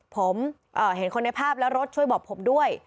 ผมเห็นคนในภาพและรถช่วยบอกผมด้วย